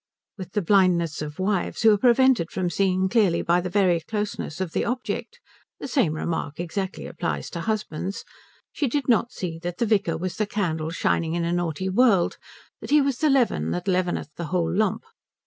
With the blindness of wives, who are prevented from seeing clearly by the very closeness of the object the same remark exactly applies to husbands she did not see that the vicar was the candle shining in a naughty world, that he was the leaven that leaveneth the whole lump.